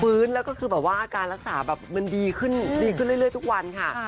แล้วก็คือแบบว่าการรักษาแบบมันดีขึ้นดีขึ้นเรื่อยทุกวันค่ะ